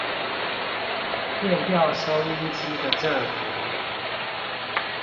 調變收音機的振幅